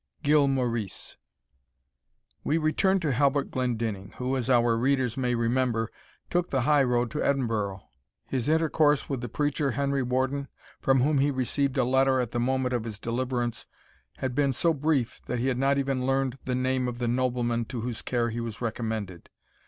GIL MORRICE. We return to Halbert Glendinning, who, as our readers may remember, took the high road to Edinburgh. His intercourse with the preacher, Henry Warden, from whom he received a letter at the moment of his deliverance, had been so brief, that he had not even learned the name of the nobleman to whose care he was recommended.